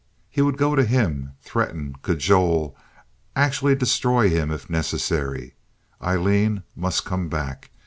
He would go to him—threaten, cajole, actually destroy him, if necessary. Aileen must come back.